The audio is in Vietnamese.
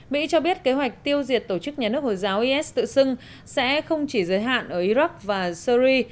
mỹ cho biết kế hoạch tiêu diệt tổ chức nhà nước hồi giáo is tự xưng sẽ không chỉ giới hạn ở iraq và syri